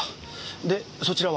でそちらは？